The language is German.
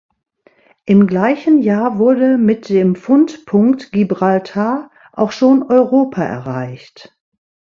Im gleichen Jahr wurde mit dem Fundpunkt Gibraltar auch schon Europa erreicht.